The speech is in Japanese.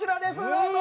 どうぞ！